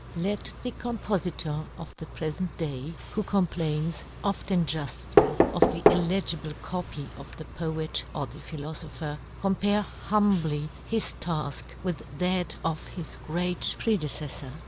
Let the compofitor of the prefent day, who complains, often juftly, of the illegible copy of the poet or the philofopher, compare humbly his talk with that of his great prede cefTor